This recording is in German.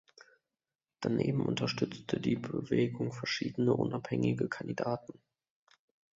Daneben unterstützte die Bewegung verschiedene unabhängige Kandidaten.